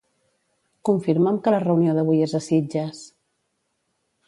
Confirma'm que la reunió d'avui és a Sitges.